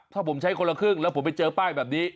ถ้าผมใช้คนละครึ่งแล้วผมไปเจอป้ายแบบนี้